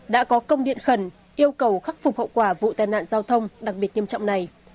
đã có công điện khẩn yêu cầu khắc phục hậu quả vụ tai nạn giao thông đặc biệt nghiêm trọng này